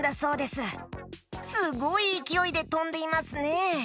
すごいいきおいでとんでいますね！